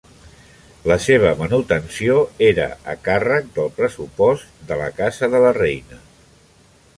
La seva manutenció era a càrrec del pressupost de la casa de la reina.